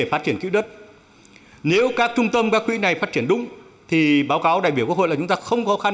phát triển quỹ đất nếu các trung tâm các quỹ này phát triển đúng thì báo cáo đại biểu quốc hội là chúng ta không khó khăn